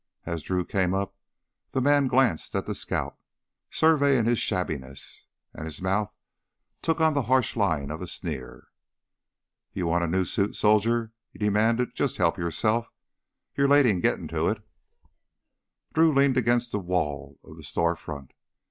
As Drew came up the man glanced at the scout, surveying his shabbiness, and his mouth took on the harsh line of a sneer. "Want a new suit, soldier?" he demanded. "Just help yourself! You're late in gettin' to it...." Drew leaned against the wall of the store front.